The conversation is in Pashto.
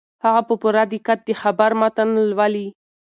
هغه په پوره دقت د خبر متن لولي.